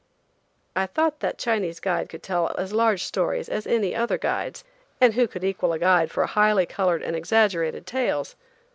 I thought that Chinese guide could tell as large stories as any other guides; and who can equal a guide for highly colored and exaggerated tales?